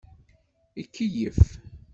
Ikeyyef.